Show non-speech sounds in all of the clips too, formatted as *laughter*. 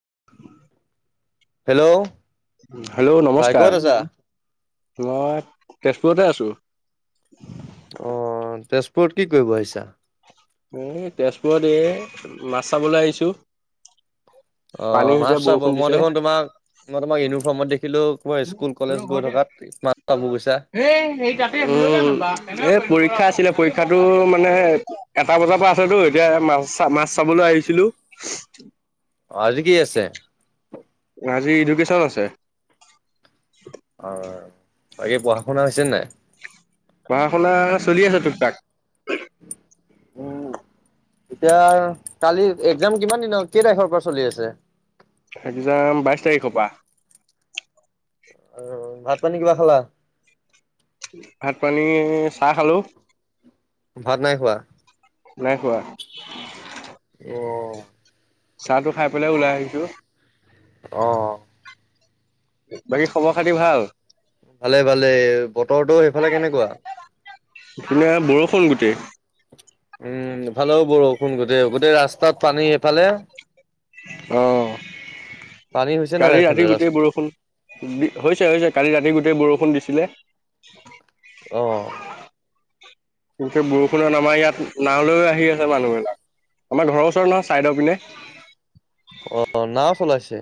*inaudible* Hello ভাই ক'ত নমস্কাৰ আছা? মই তেজপুৰতে আ ছো। *unintelligible* অ তেজপুৰত কি কৰিব আহিছা? এ তেজপুৰত এ মাছ চাবলৈ আহিছো, পানী অ' হৈছে মাছ চাব বৰষুণ মই দিছে। দেখোন তোমাক মই তোমাক ইউনিফৰ্মত দেখিলো তোমাৰ স্কুল কলেজ হেল্ল গৈ ঘৰতে থকাত মাছ চাব *unintelligible* গৈছা। এই সেই তাতে উম, এই পৰীক্ষা আছিলে পৰীক্ষাটো মানে এটা বজাৰ পৰা আছেতো এতিয়া মা ছ মাছ চাবলৈ আহিছিলো। *unintelligible* আজি কি আছে? আজি ইডুকেশচন আছে। অ বাকী পঢ়া শুনা হৈছে নাই? পঢ়া শুনা চলি আছে তোক তাক। উম *unintelligible* এতিয়া কালি এক্জাম কিমান দিনৰ কেই তাৰিখৰ পৰা চলি আছে? এক্জাম বাইশ তাৰিখৰ পৰা। অহ ভাত পানী কিবা খালা? ভাত পানী চাহ খালো। ভাত নাই খোৱা? নাই খোৱা। অঁ। চাহ টো খাই পেলাই ওলাই আহিছো। অঁ। বাকি খবৰ খাতি ভাল? ভালে ভালে বতৰটো সেইফালে কেনেকুৱা? এইপিনে বৰষুণ গোটেই। উম এইফালো বৰষুণ গোটেই গোটেই ৰাস্তাত পানী এফালে। আহ। পানী হৈছে নাই কালি এইফালে ৰাতি ৰাস্তা গোটেই বৰষুণ, হৈছে হৈছে কালি ৰাতি গোটেই বৰ ষুণ দিছিলে। আহ গোটেই বৰষুণত আমাৰ ইয়াত নাওঁলৈ আহি আছে মানুহবিলাক। আমাৰ ঘৰৰ ওচৰত নহয় চাইদৰ পিনে, অ', নাও চলাইছে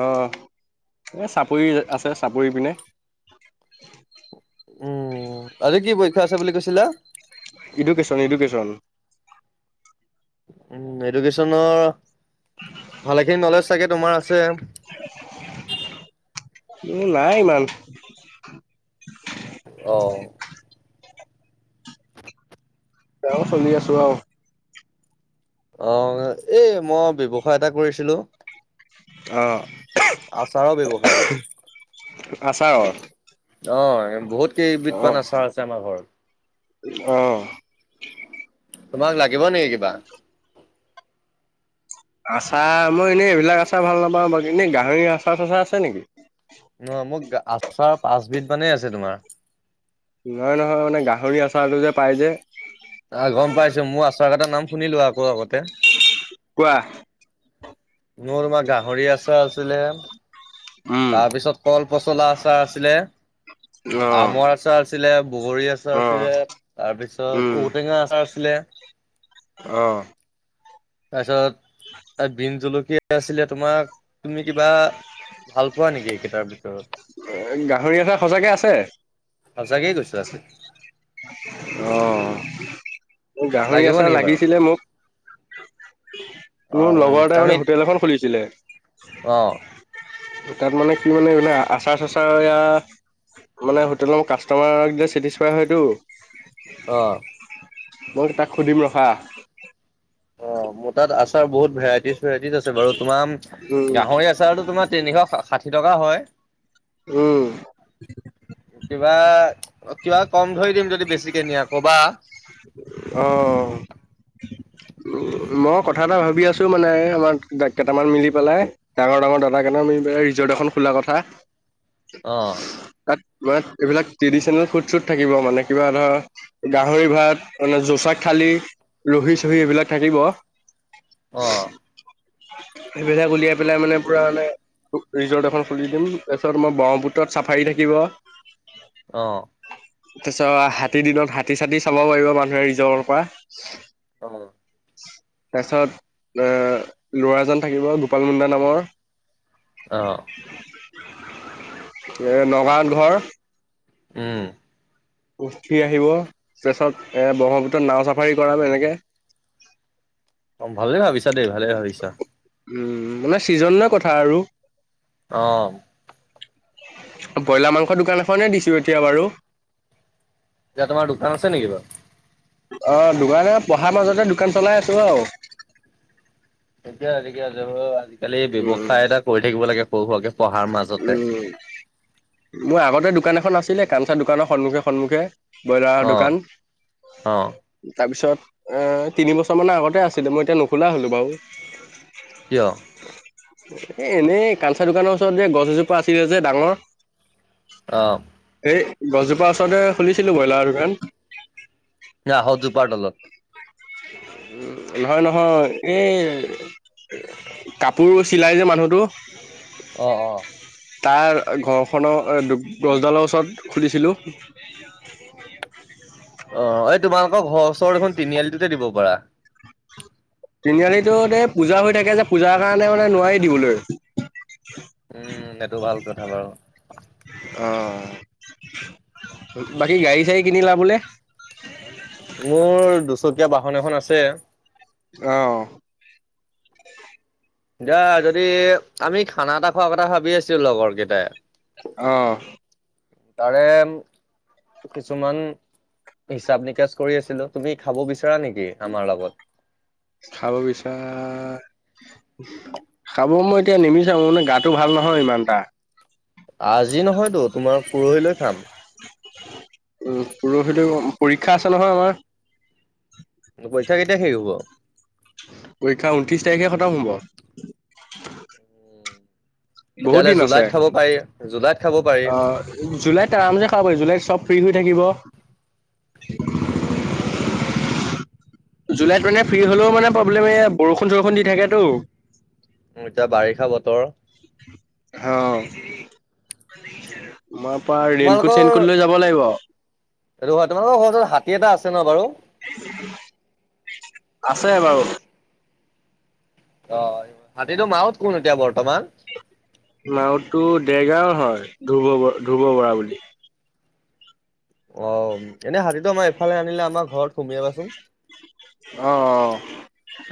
আহ এ চাপৰি আছে চাপৰি পিনে। উম, আজি কি পৰীক্ষা আছে বুলি কৈছিলে? Education education. উম এডুকেশ্বনৰ ভালেখিনি নলেজ চাগে তোমাৰ আছে। উ নাই ইমান। অহ। এ চলি আছো আও। আহ এই মই ব্যৱসায় এটা কৰিছিলো, অ আচাৰৰ ব্যৱসায়। আচাৰৰ? অ বহুত কেই বিধমান আচাৰ আছে আমাৰ ঘৰত। অহ তোমাক লাগিব নেকি কিবা? আচাৰ মই এনেই এইবিলাক আচাৰ ভাল নাপাওঁ বাৰু এনেই গাহৰি আচাৰ-চাচাৰ আছে নেকি? মানে আছে তোমাৰ নহয় নহয় মানে গাহৰি আচাৰটো যে পাই যে আহ গম পাইছোঁ মোৰ আচাৰ কেইটা নাম শুনি লোৱা আকৌ আগত কোৱা? মোৰ তোমাৰ গাহৰি আচাৰ আছিলে উম তাৰপিছত কল-পচলা আচাৰ আছিলে আমৰ আচাৰ আছিলে, বগৰী আচাৰ অ অ আছিলে, উম তাৰপিছত ঔটেঙা আচাৰ আছিলে *inaudible* অহ তাৰপিছত বিন জলকীয়া আছিলে তোমাক তুমি কিবা ভাল পোৱা নেকি এইকেইটাৰ ভিতৰত? গাহৰি আচাৰ সঁচাকে আছে? সঁচাকে কৈছোঁ আছে অহ গাহৰি লাগিব আচাৰ নেকি বাৰু? লাগিছিলে মোক মোৰ অ' লগৰ এটাই মানে হোটেল এখন খুলিছিলে অহ তাত মানে কি মানে এইবিলাক আচাৰ- চাচাৰ এয়াৰ মানে হোটেলৰ কাষ্টমাৰক দি ছেটিছফাই হয়টো অহ মই তাক সুধিম ৰখা অ মোৰ তাত আচাৰ বহুত ভেৰাইটি ত আছে বাৰু তোমাৰ উম, গাহৰি আচাৰতো তোমাৰ তিনিশ ষাঠি টকা হয়। উম! কিবা, কিবা কম ধৰি দিম যদি বেছিকে নিয়া কবা অহ মই কথা এটা ভাবি আছোঁ মানে আমাৰ কেইটামান মিলি পেলাই ডাঙৰ ডাঙৰ দাদা কেইটাম মিলি পেলাই ৰিজৰ্ট ৰিজৰ্ট এখন খোলা কথা। অহ তাত মানে এইবিলাক ট্ৰেডিচনেল ফুড-চুড থাকিব মানে কিবা ধৰা, গাহৰি ভাত মানে জোচা থালি ৰহি-চহি এইবিলাক থাকিব অ' সেইবিলাক উলিয়াই পেলাই মানে পুৰা মানে ৰিজৰ্ট এখন খুলি দিম তাছত ম ব্ৰহ্মপুত্ৰত ছাফাৰী থাকিব। অহ', তাছ হাতীৰ দিনত হাতী-চাতী চাব পাৰিব মানুহে ৰিজৰ্টৰ পৰা অহ', তাৰপিছত এ'ল'ৰাজন থাকিব গোপাল মুণ্ডা নামৰ অহ ', এ' নগাঁৱত ঘৰ। উম উঠি আহিব প্ৰেছত এ'ব্ৰহ্মপুত্ৰত নাও ছাফাৰী কৰাম হেনেকে অহ, ভালে ভাবিছা দে ভালে ভাবিছা। উম, মানে ছিজন লৈ কথা আৰু অ', ব্ৰইলাৰ মাংসৰ দোকান এখনে দিছোঁ এতিয়া বাৰু এতিয়া তোমাৰ দোকান আছে নেকি বাৰু? অহ, দোকানে পঢ়াৰ মাজতে দোকান চলাই আছোঁ আৰু ঠিকে আছে *unintelligible* আজিকালি উম ব্যৱসায় এটা কৰি থাকিব লাগে সৰু সোৱকে পঢ়াৰ মাজতে উম মোৰ আগতে দোকান এখন আছিলে কাঞ্চা দোকানৰ সন্মুখে- সন্মুখে ব্ৰইলাৰৰ অ দোকান, অ তাৰপিছত এ'তিনি - বছৰ মানে আগতে আছিলে মই এতিয়া নুখোলা হলো বাও। কিয়? এ' এনেই কাঞ্চা দোকানৰ ওচৰত যে গছ এজোপা আছিলে যে ডাঙৰ অ', সেই গছজোপাৰ ওচৰতে খুলিছিলো ব্ৰইলাৰৰ দোকান। যে আহত জোপাৰ তলত নহয়- নহয় এই কাপোৰো চিলায় যে মানুহটো অ', - অ', তাৰ ঘৰখনৰ গছডালৰ ওচৰত খুলিছিলোঁ। অহ, এই তোমালোকৰ ঘৰৰ ওচৰ দেখোন তিনিআলিটোতে দিব পাৰা। তিনিআলিটোত এ' পূজা হৈ থাকে যে পূজাৰ কাৰণে মানে নোৱাৰি দিবলৈ। উম, এইটো ভাল কথা বাৰু। অহ বাকী গাড়ী -চাড়ী কিনিলা বোলে? মোৰ দুচকীয়া বাহন এখন আছে। অহ যা যদি আমি খানা এটা খোৱা কথা ভাবি আছিলো লগৰ কেটাই। অহ তাৰেম কিছুমান হিচাপ -নিকাচ কৰি আছিলো তুমি খাব বিচাৰা নেকি আমাৰ লগত? খাব বিছাৰ খাব মই এতিয়া নিবিচাৰো মানে গাটো ভাল নহয় ইমান টা আজি নহয়তো তোমাৰ পৰহিলৈ খাম। উম, পৰহিলো পৰীক্ষা আছে নহয় আমাৰ। পৰীক্ষা কেতিয়া শেষ হ'ব *inaudible* পৰীক্ষা ঊনত্ৰিশ তাৰিখে খতম হব। *inaudible* তেতিয়াহ'লে জুলাইত খাব পাৰি। জু অহ, জুলাইত আৰামচে খাব পাৰি জুলাইত চব ফ্ৰী হৈ থাকিব। *inaudible* জুলাইত মানে ফ্ৰী হলেও মানে প্ৰব্লেম এই বৰষুণ চৰষুণ দি থাকেতো এতিয়া বাৰিষা বতৰ। হ তাপা ৰেইনকোট চেইনকোট লৈ যাব লাগিব। সেইটো হয় তোমালোকৰ ঘৰ ওচত হাতী এটা আছে ন বাৰু? আছে বাৰু অ হাতীটো মাহত কোন এতিয়া বৰ মাওতো ডেৰগাও হয় ধব ধ্ৰুুৱ বৰা বুলি। অ এনেই হাতীতটো আমাৰ ইফালে আনিলে আমাৰ ঘৰত সুমিয়াবাচোন। অ অ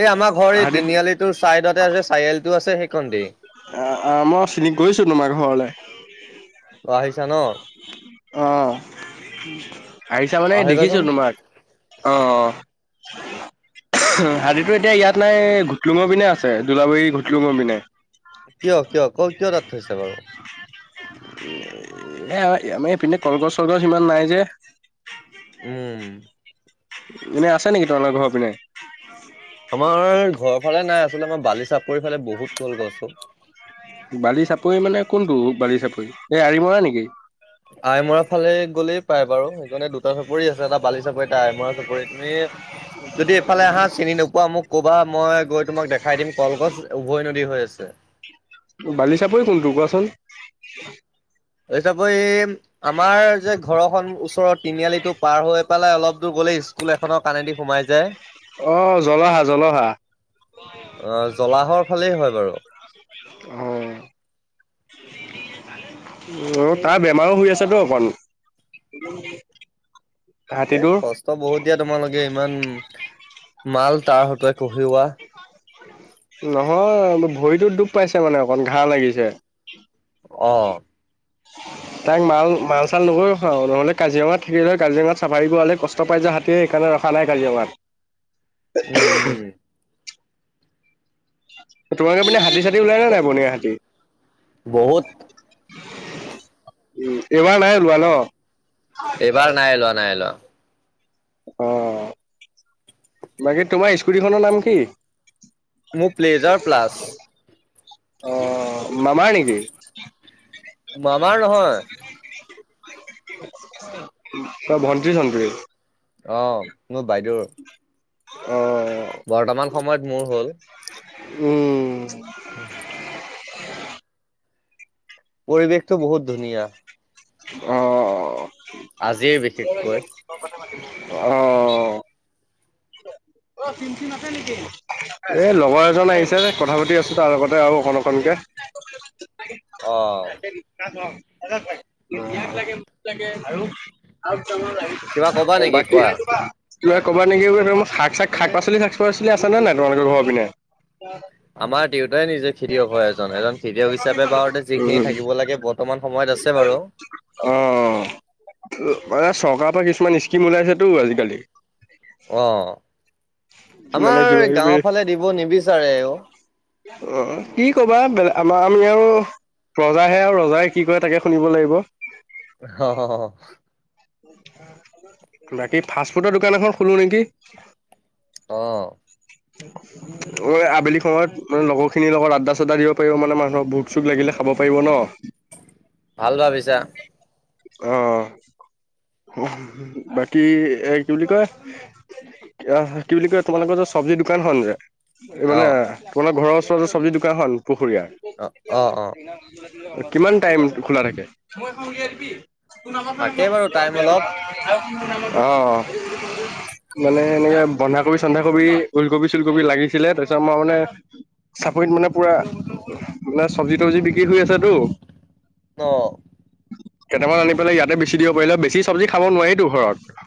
এই আমাৰ ঘৰ এই হাতীত তিনিআলিটো চাইদতে আছে চাৰিআলিটো আছে। সেইকণতে আহ আহ মই চিনী গৈছো তোমাৰ ঘৰলে। অ আহিছা ন? অ। আহিছা মানে দেখিছো আহিবাচোন তোমাক অ অ হাতীটো এতিয়া ইয়াত নাই ঘুটলুঙৰ পিনে আছে দোলাবাৰী ঘুটলুঙৰ পিনে। কিয় কিয় ক কিয় তাত থৈছে বাৰু? এ আমাৰ এইপিনে কলগছ চলগছ সিমান নাই যে উম। এনেই আছে নেকি তোমালোকৰ ঘৰৰ পিনে। আমাৰ ঘৰৰ ফালে নাই আচলতে মই বালি চাপ বালি চাপৰি মানে কোনটো বালি এই আৰি মৰা নেকি? আইমৰা ফালে গ'লেই পাই বাৰু সেইকাৰণে দুটা চাপৰি আছে এটা বালি চাপৰি তাই মৰা চাপৰি, তুমি যদি এইফালে আহা চিনি নো কোৱা মোক ক'বা মই গৈ তোমাক দেখাই দিম কলগছ উভৈ নদী হৈ আছে। বালিচাপৰি কোনটো কোৱাচোন। এই তাপই। আমাৰ যে ঘৰখন ওচৰৰ তিনিআলিটো পাৰ হৈ পেলাই অলপ দূৰ গ'লেই। স্কুল এখনৰ কাানেদি সোমাই যায়। অ জলহা জলহা আহ জলাহৰ ফালেই হয় বাৰু। অ। অ তাৰ বেমাৰো হৈ আছেতো অকমান। এ কষ্ট বহুত দিয়া তোমালোকে ইমান। মাল তাৰ হতে কঢ়িওৱা। নহয় ভৰিটোত দুখ পাইছে মানে অকণ ঘাঁ লাগিছে। আহ। তাইক মাল মাল চাল নকৰৰি খাওঁ নহ'লে কাজিৰঙাত থাকিলে হয় কাজিৰঙাত চাফাৰী কৰাৱলে কষ্ট পাই যায় হেয়ে সেইকাৰণে। ৰখা নাই কাজিৰঙাত। উম উম। তোমাকে মাননে হাতী চাতী ওলাই নে নাই বনিয়া হাতী। বহুত। উ এবাৰ নাই লোৱা ন। এইবাৰ নাই লোৱা নাই লোৱা। অ, বাকী তোমাৰ স্কুটিখনৰ নাম কি? মোক প্লেজাৰ প্লাছ। অ মামাৰ নিকি? মামাৰ নহয়। ত ভণ্টীৰ সন্তিৰ আহ মোৰ বাইদেউ। অ। বৰ্তমান সময়ত মোৰ হ'ল। উম। *inaudible* *inaudible* পৰিৱেশটো বহুত ধুনীয়া। অ। আজিৰ বিশেষকৈ আহ। এই লগৰ এজন আহিছে কথা পাতি আছো তাৰ লগতে আৰু। অণখনকে। অ' লাগে ইয়াক লাগে মোক লাগে আৰু আৰু। কিবা ক'বা *unintelligible* নেকি বাকী, কোৱা? কিবা কবা নেকি মই শাক। চাক শাক পাচলি শাক পাচলি আছেনে নাই তোলোকৰ ঘৰ পিনে। *unintelligible* আমাৰ দেউতাই নিজে খেতিয়ক হয় এজন এজন খেতিয়ক হিচাপে বাৰতে যিখিনি উম, থাকিব লাগে বৰ্তমাণ সময়ত। *unintelligible* আছে বাৰু। অ। *unintelligible* *inaudible* মান চৰকাৰৰ পৰা কিছুমান স্কিম ওলাইছেতো আজিকালি। অ, মানে আমাৰ কিবা কিবি গাঁওৰ ফালে দিব নিবিচাৰেও। অ কি কবা বা আমাৰ আমি আৰু ৰজাহে আৰু ৰজাই কি কৰে তাকে শুনিব লাগিব। হ হ হ *unintelligible* বাকী ফাষ্টফুডৰ দোকান এখন খোলো নেকি আহ। অ আবেলি সময়ত ম লগৰ খিনিৰ লগত আড্ডা চাদ্দ দিব পাৰিব মানে মানুহক ভুখ চুখ লাগিলে। *unintelligible* খাব পাৰিব ন। ভাল ভাবিছা অ বাকী এ কি বুলি কয়। অ কি বুলি কয় তোমালোকৰ য *unintelligible* চব্জি দোকানখন যে এই মানে অ' তোমাৰ ঘৰৰ ওচৰতে চব্জি দোকানখন পুখুৰীয়া অ' অ' অ' কিমান টাইম খোলা থাকে। ক নমাত ন নে থাকেই বাৰু টাইম অলপ *unintelligible* অ মানে এনেকে বন্ধাকবি চন্ধাকবি ওুলকবি চুলকবি লাগিছিলে তাৰপিছত আ মই মানে, *unintelligible* চাপৰিত মানে পুৰা মানে চব্জি তবজি বিক্ৰী হৈ আছে টো ন। কেইটামান আনি পেলাই ইয়াতে বেছি দিব পাৰিলে বেছি চব্জি খাব নোৱাৰি ঘৰত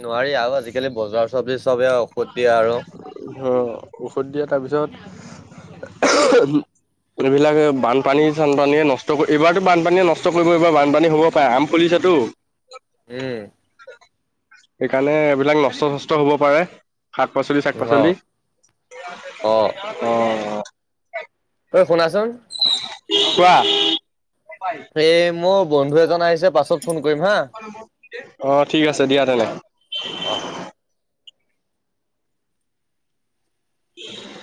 নোৱাৰি আৰু আজিকালি বজাৰৰ চবজি চবে ঔষধ দিয়ে আৰু আহ ঔষধ দিয়া তাৰপিছত। এই এইবিলাকে বানপানী চানপানীয়ে নষ্ট এইবাৰতো বানপানীয়ে নষ্ট কৰিব এইবাৰ বানপানী হ'ব পাৰে আম পুলিচ। তটো উম সেইকাৰণে এইবিলাক নষ্ট শষ্ট হব পাৰে শাক পাচলি শাক পাচলি অ' অ শুণাচোন। *unintelligible* কোৱা এই মোৰ বন্ধু এজন আহিছে পাছত ফোন কৰিম হা অ ঠিক আছে দিয়া তেনেহলে আহ। উম